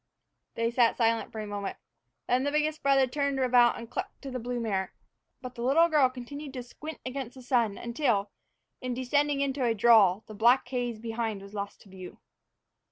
They sat silent for a moment. Then the biggest brother turned about and clucked to the blue mare. But the little girl continued to squint against the sun until, in descending into a draw, the black haze behind was lost to view.